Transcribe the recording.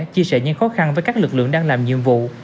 chia sẻ những khó khăn với các lực lượng đang làm nhiệm vụ